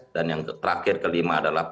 dan yang terakhir kelima adalah